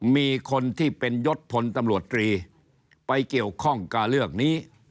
มีคนที่เป็นยศพลตำรวจตรีไปเกี่ยวข้องกับเรื่องนี้